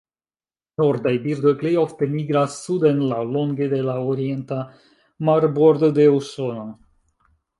Nordaj birdoj plej ofte migras suden laŭlonge de la orienta marbordo de Usono.